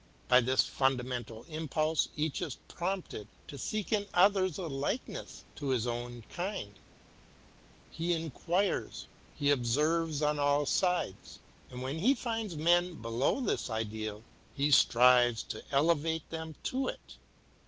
By this fundamental impulse each is prompted to seek in others a likeness to his own ideal ; he inquires, he observes on all sides, and when he finds men below this ideal, he 31 LMTUH II. strives to elevate them to it.